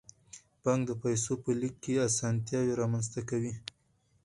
بانک د پیسو په لیږد کې اسانتیاوې رامنځته کوي.